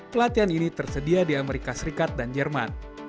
pelatihan ini tersedia di amerika serikat dan jerman